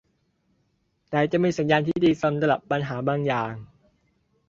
แต่จะมีสัญญาณที่ดีสำหรับปัญหาบางอย่าง